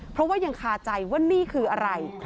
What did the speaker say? เพราะว่ายังคาใจว่านี่คืออะไร